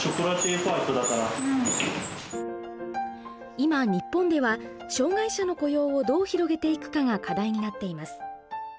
今日本では障害者の雇用をどう広げていくかが課題になっています。